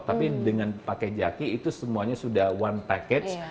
tapi dengan pakai jaki itu semuanya sudah one package